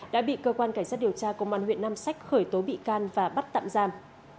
đã bị cơ quan cảnh sát điều tra công an huyện nam sách khởi tố bị can và bắt tạm giam